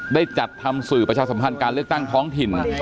ได้จัดทำสื่อประชาสัมพันธ์การเลือกตั้งท้องถิ่น